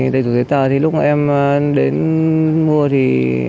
đầy đủ giấy tờ thì lúc em đến mua thì